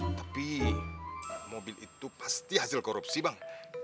tapi mobil itu pasti hasil korupsi bang